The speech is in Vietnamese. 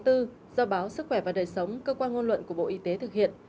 do báo sức khỏe và đời sống cơ quan ngôn luận của bộ y tế thực hiện